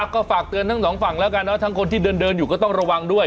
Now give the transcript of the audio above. ก็ฝากเตือนทั้งสองฝั่งแล้วกันทั้งคนที่เดินอยู่ก็ต้องระวังด้วย